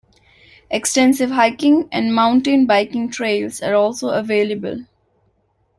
Extensive hiking and mountain biking trails are also available.